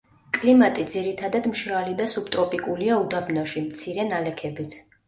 კლიმატი ძირითადად მშრალი და სუბტროპიკულია უდაბნოში, მცირე ნალექებით.